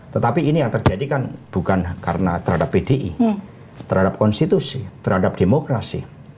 tetapi ini yang terjadi kan bukan karena terhadap pdi terhadap konstitusi terhadap demokrasi